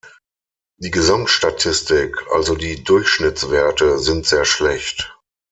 Die Gesamtstatistik, also die Durchschnittswerte, sind sehr schlecht.